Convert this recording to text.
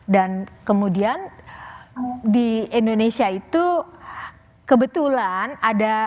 dan kemudian di indonesia itu kebetulan ada dasar hukum